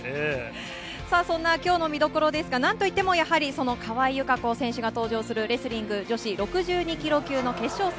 そんなきょうの見どころですが、なんといってもやはりその川井友香子選手が登場する、レスリング女子６２キロ級の決勝戦。